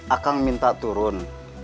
akang minta turun